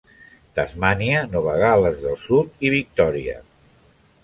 Tasmània, Nova Gal·les del Sud i Victòria.